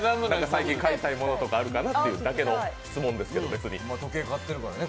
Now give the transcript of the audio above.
最近買いたいものとかありますかっていうだけの質問です。